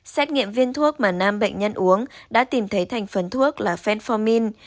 xét nghiệm viên thuốc mà nam bệnh nhân uống đã tìm thấy thành phần thuốc là fedformine